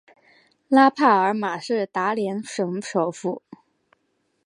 拉帕尔马是达连省首府。